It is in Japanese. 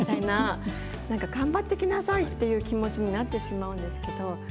なんか頑張ってきなさいっていう気持ちになってしまうんですけど。